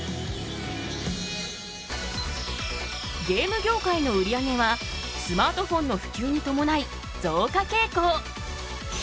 ゲーム業界の売り上げはスマートフォンの普及にともない増加傾向。